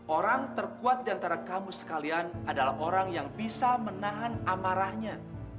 orang terkuat di antara kamu sekalian adalah orang yang bisa menahan amarahnya